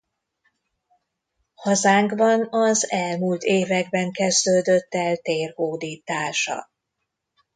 Hazánkban az elmúlt években kezdődött el térhódítása.